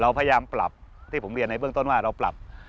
พยายามปรับที่ผมเรียนในเบื้องต้นว่าเราปรับ